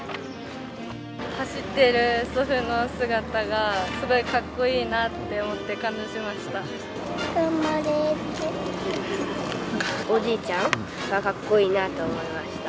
走ってる祖父の姿がすごいかっこいいなって思って、感動しました。